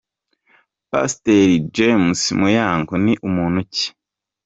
Pasiteri James Muyango ni muntu ki ?.